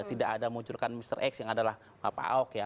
tidak ada munculkan mr x yang adalah pak ahok ya